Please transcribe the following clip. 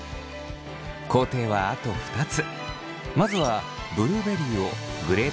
工程はあと２つ。